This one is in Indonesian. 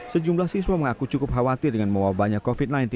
sejumlah siswa mengaku cukup khawatir dengan mewabahnya covid sembilan belas